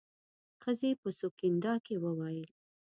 ښځې په سونګېدا کې وويل.